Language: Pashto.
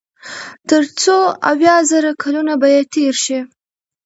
تر څو اويا زره کلونه به ئې تېر شي